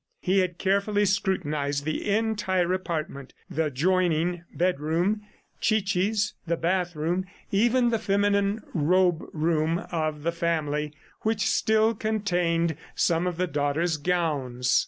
He had carefully scrutinized the entire apartment the adjoining bedroom, Chichi's, the bathroom, even the feminine robe room of the family, which still contained some of the daughter's gowns.